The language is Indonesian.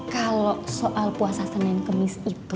kalau soal puasa senin kemis itu